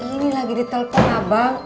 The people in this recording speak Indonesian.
ini lagi di telepon abang